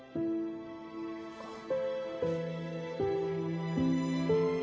あっ。